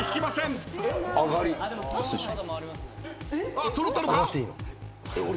あっ揃ったのか！？